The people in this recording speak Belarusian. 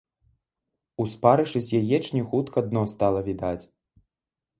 У спарышы з яечняю хутка дно стала відаць.